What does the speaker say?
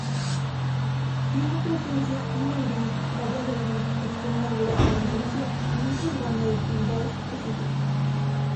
Tiene presencia en Madrid, Valladolid, Extremadura y Andalucía, con un programa de actividades específico.